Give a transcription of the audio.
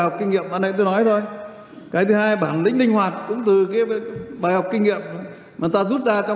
cũng là cái bài học chúng ta rút ra thôi